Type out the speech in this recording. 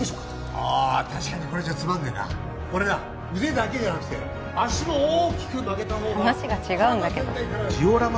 ああ確かにこれじゃつまんねえなこれな腕だけじゃなくて脚も大きく曲げた方が話が違うんだけどジオラマ